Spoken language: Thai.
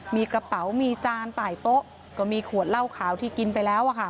มีกระเป๋ามีจานตายโต๊ะก็มีขวดเหล้าขาวที่กินไปแล้วอะค่ะ